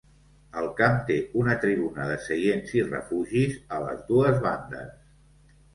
El camp té una tribuna de seients i refugis a les dues bandes.